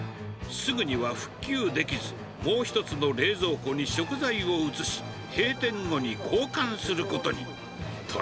すぐには復旧できず、もう１つの冷蔵庫に食材を移し、閉店後に交換することに。